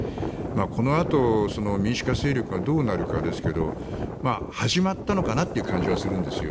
このあと民主化勢力がどうなるかですけど始まったのかなという感じはするんですよ。